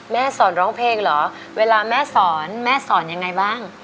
แม่สอนร้องเพลงเหรอเวลาแม่สอนแม่สอนยังไงบ้าง